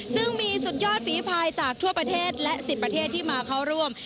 ซึ่งมีสุดยอดฝีภายจากทั่วประเทศและ๑๐ประเทศที่มาเข้าร่วม